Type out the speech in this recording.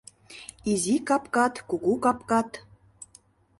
Изи капкат, кугу капкат -